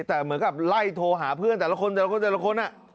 แต่เหมือนกับไล่โทรหาเพื่อนแต่ละคนแต่ละคนแต่ละคน